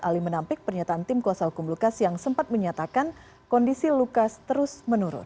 ali menampik pernyataan tim kuasa hukum lukas yang sempat menyatakan kondisi lukas terus menurun